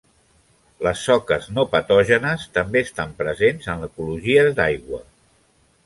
Les soques no patògenes també estan present en ecologies d'aigua.